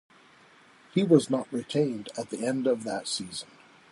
He was not retained at the end of that season.